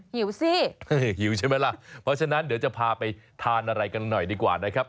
หิวสิหิวใช่ไหมล่ะเพราะฉะนั้นเดี๋ยวจะพาไปทานอะไรกันหน่อยดีกว่านะครับ